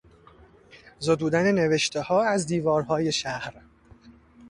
زدودن نوشتهها از دیوارهای شهر